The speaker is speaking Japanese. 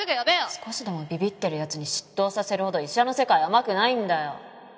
少しでもビビってる奴に執刀させるほど医者の世界甘くないんだよ。